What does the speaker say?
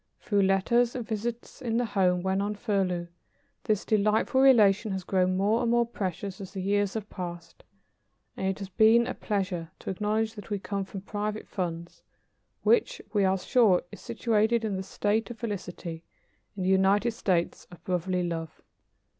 Through letters and visits in the home when on furlough, this delightful relation has grown more and more precious as the years have passed, and it has been a pleasure to acknowledge that we come from Private Funds, which, we are sure, is situated in the State of Felicity, in the United States of Brotherly Love.